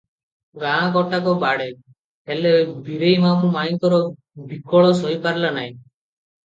ଗାଁ ଗୋଟାକ ବାଡ଼େ, ହେଲେ ବୀରେଇ ମାମୁ ମାଇଁଙ୍କର ବିକଳ ସହିପାରିଲା ନାହିଁ ।